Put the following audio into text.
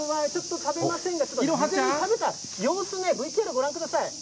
食べてる様子、ＶＴＲご覧ください。